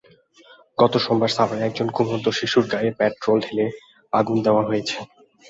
গত সোমবার সাভারে একজন ঘুমন্ত শিশুর গায়ে পেট্রল ঢেলে আগুন দেওয়া হয়েছে।